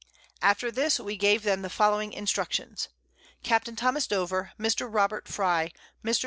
After this we gave them the following Instructions. Capt. Tho. Dover, Mr. Robert Frye, _Mr. W.